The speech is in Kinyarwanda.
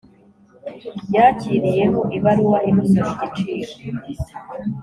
yakiriyeho ibaruwa imusaba igiciro